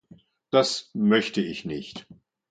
Das möchte ich nicht.